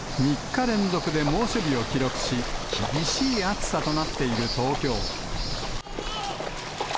３日連続で猛暑日を記録し、厳しい暑さとなっている東京。